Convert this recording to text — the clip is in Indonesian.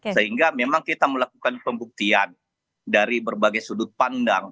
sehingga memang kita melakukan pembuktian dari berbagai sudut pandang